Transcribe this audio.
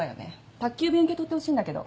宅急便受け取ってほしいんだけど。